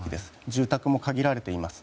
住宅も限られています。